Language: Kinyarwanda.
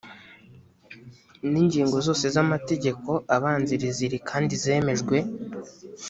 ni ingingo zose z’amategeko abanziriza iri kandi zemejwe